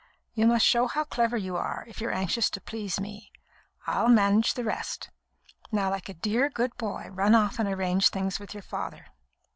You must show how clever you are, if you're anxious to please me. I'll manage the rest. Now, like a dear, good boy, run off and arrange things with your father."